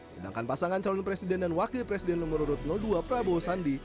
sedangkan pasangan calon presiden dan wakil presiden nomor urut dua prabowo sandi